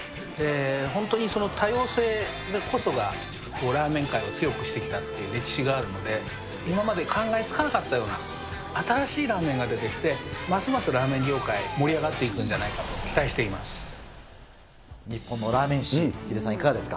本当に多様性こそがラーメン界を強くしてきたっていう歴史があるので、今まで考えつかなかったような、新しいラーメンが出てきて、ますますラーメン業界、盛り上がっていくんじゃないかと期待して日本のラーメン史、ヒデさん、いかがですか。